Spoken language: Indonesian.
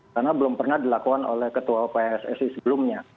karena belum pernah dilakukan oleh ketua pssi sebelumnya